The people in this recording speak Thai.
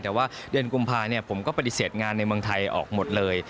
แต่ว่าเดือนกุมภาผมก็ปฏิเสธงานในเมืองไทยออกหมดเลย